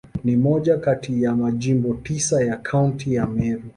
Ni moja kati ya Majimbo tisa ya Kaunti ya Meru.